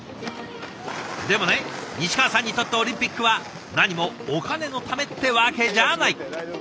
でもね西川さんにとってオリンピックはなにもお金のためってわけじゃない。